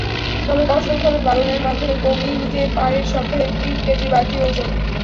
তবে কঠোরভাবে পালনের মাধ্যমে কমিয়ে নিতে পারেন সপ্তাহে তিন কেজিবাড়তি ওজন।